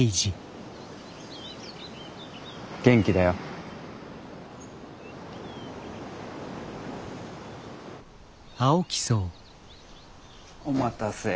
元気だよ。お待たせ。